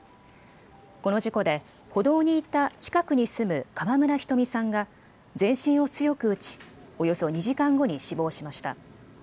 この事故で歩道にいた近くに住む川村ひとみさんが全身を強く打ちおよそ２時間後に死亡しました。